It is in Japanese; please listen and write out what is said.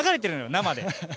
生で。